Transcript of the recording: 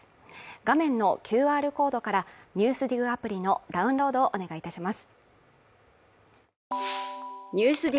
画面のＱＲコードから「ＮＥＷＳＤＩＧ」アプリのダウンロードをお願いいたします。